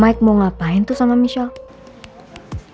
mike mau ngapain tuh sama michelle